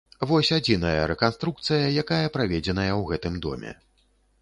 Вось адзіная рэканструкцыя, якая праведзеная ў гэтым доме.